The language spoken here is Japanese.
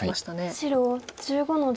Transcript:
白１５の十。